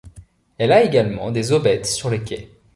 Elle a également des aubettes sur les quais.